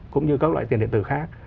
cũng như các loại tiền điện tử khác